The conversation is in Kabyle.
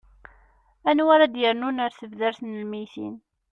anwa ara d-yernun ar tebdart n lmeyytin